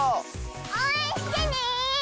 おうえんしてね！